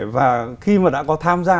và khi mà đã có tham gia